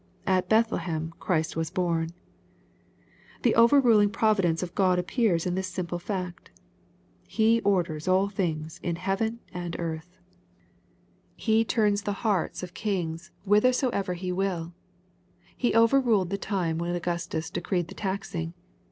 At Bethlehem Christ was born. The overruling px)vidence of God appears in this Rimple fact. He orders all things in heaven and earth. lASKEy CHAP. U. Ol He turns the hearts of kings whithersoever He wjll. He overruled the time when Augustus decreed the taxing.